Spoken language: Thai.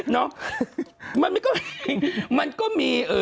เนอะมันก็มี